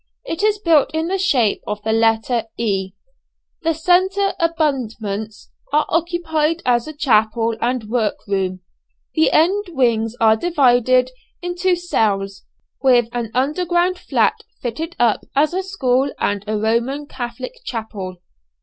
It is built in the shape of the letter =E=. The centre abutments are occupied as a chapel and work room; the end wings are divided into cells, with an underground flat fitted up as a school and a Roman Catholic chapel.